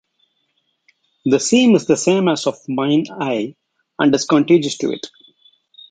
The seam is the same as of Mine-I and is contiguous to it.